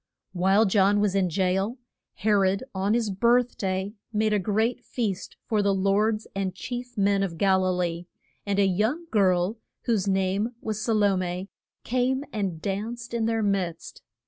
While John was in jail, He rod, on his birth day, made a great feast for the lords and chief men of Gal i lee. And a young girl, whose name was Sa lo me, came and danced in their midst.